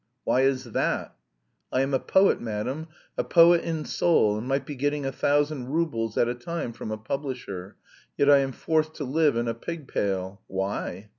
* Why is that? I am a poet, madam, a poet in soul, and might be getting a thousand roubles at a time from a publisher, yet I am forced to live in a pig pail. Why?